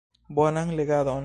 Bonan legadon.